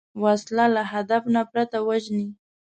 وسله د هدف نه پرته وژني